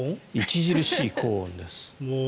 著しい高温です。